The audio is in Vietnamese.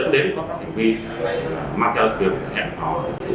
rất ít phụ kiện là trên một mươi sáu tuổi